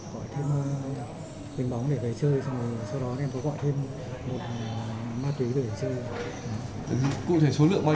gọi thêm bình bóng để về chơi sau đó em có gọi thêm một ma túy để về chơi